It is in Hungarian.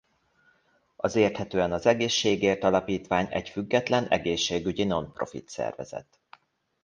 Az Érthetően az Egészségért Alapítvány egy független egészségügyi nonprofit szervezet.